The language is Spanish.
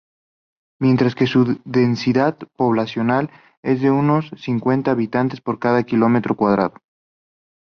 Mientras que su densidad poblacional es de unos cincuenta habitantes por cada kilómetro cuadrado.